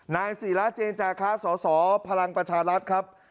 นายศิราเจนจาคะสสพลังประชารัฐครับ